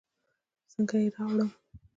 څنګه يې راوړم.